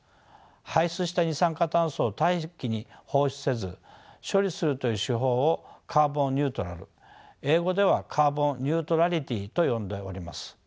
排出した二酸化炭素を大気に放出せず処理するという手法をカーボン・ニュートラル英語ではカーボン・ニュートラリティと呼んでおります。